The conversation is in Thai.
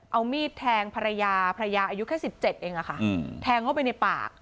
เอามีดแทงภรรยาภรรยาอายุแค่๑๗เองแทงเข้าไปในปาก